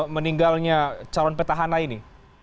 meninggalnya calon petahana ini